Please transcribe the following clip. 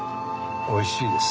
・おいしいです。